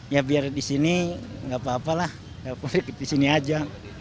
ya biar disini gak apa apa lah disini aja